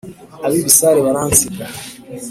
Ab'ibisare baransiga